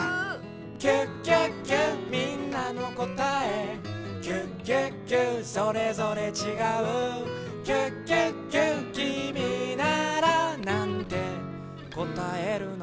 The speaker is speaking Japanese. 「キュキュキュみんなのこたえ」「キュキュキュそれぞれちがう」「キュキュキュきみならなんてこたえるの？」